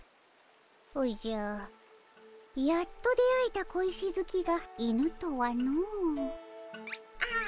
おじゃやっと出会えた小石好きが犬とはの。